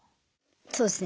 そうですね。